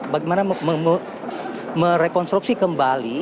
bagaimana merekonstruksi kembali